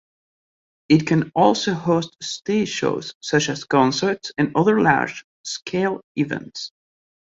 It can also host stage shows, such as concerts, and other large-scale events.